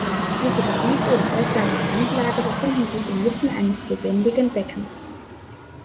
Diese Gebiete in äußerster Randlage befinden sich inmitten eines "lebendigen Beckens".